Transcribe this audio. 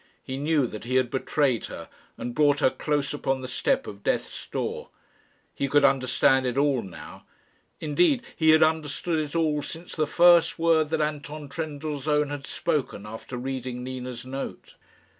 He knew that he had betrayed her, and brought her close upon the step of death's door. He could understand it all now. Indeed he had understood it all since the first word that Anton Trendellsohn had spoken after reading Nina's note.